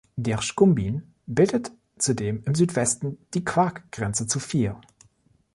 Der Shkumbin bildet zudem im Südwesten die Qark-Grenze zu Fier.